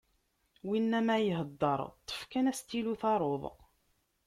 Winna m'ara ihedder, ṭṭef kan astilu taruḍ.